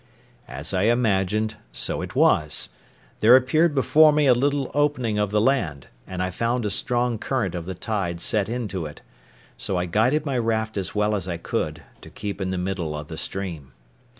As I imagined, so it was. There appeared before me a little opening of the land, and I found a strong current of the tide set into it; so I guided my raft as well as I could, to keep in the middle of the stream.